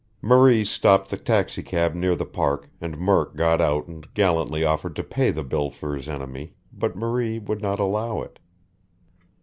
Marie stopped the taxicab near the Park, and Murk got out and gallantly offered to pay the bill for his enemy, but Marie would not allow it.